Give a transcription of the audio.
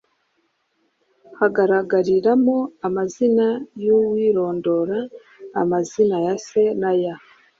Hagaragariramo amazina y’uwirondora, amazina ya se n’aya